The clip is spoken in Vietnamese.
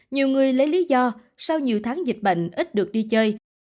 nhiều người lấy lý do sau nhiều tháng dịch bệnh ít được đi chơi